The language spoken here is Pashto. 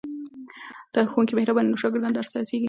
که ښوونکی مهربان وي نو شاګردان درس ته هڅېږي.